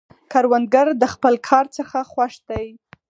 کروندګر د خپل کار څخه خوښ دی